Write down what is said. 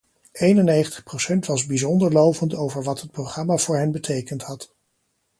Eenennegentig procent was bijzonder lovend over wat het programma voor hen betekend had.